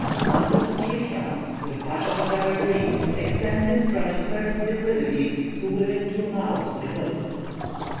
Masses of tree trunks, with patches of evergreens, extended from its first declivities to within two miles of the coast.